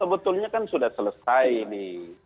sebetulnya kan sudah selesai ini